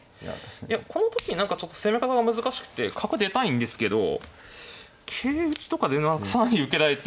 いやこの時に何かちょっと攻め方が難しくて角出たいんですけど桂打ちとかで更に受けられて。